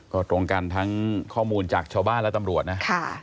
ก็ตรงกันทั้งข้อมูลจากชาวบ้านและตำรวจนะ